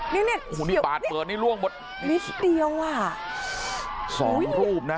นี่นี่โอ้โหนี่ปาดเปิดนี่ล่วงหมดนิดเดียวอ่ะสองรูปนะ